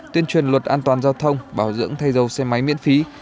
tuyên truyền luật an toàn giao thông bảo dưỡng thay dầu xe máy miễn phí